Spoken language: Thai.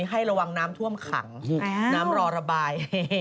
ให้ระวังน้ำท่วมขังน้ำรอระบาย